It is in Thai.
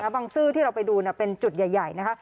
บางซื่อที่เราไปดูเป็นจุดใหญ่นะคะ